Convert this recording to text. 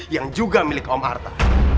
yang juga milik om arta